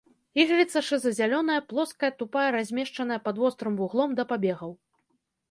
Ігліца шыза-зялёная, плоская, тупая, размешчаная пад вострым вуглом да пабегаў.